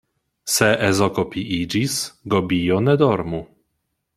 Se ezoko piiĝis, gobio ne dormu.